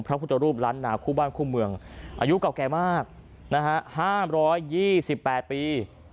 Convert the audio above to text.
พระพุทธรูปรัชนาคู่บ้านคู่เมืองอายุเก่าแก่มากนะฮะห้าร้อยยี่สิบแปดปี